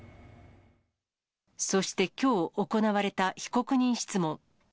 そしてきょう行われた被告人質問。